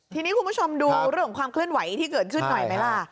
ทีนี้คุณผู้ชมดูเรื่องของความเคลื่อนไหวที่เกิดขึ้นหน่อยไหมล่ะ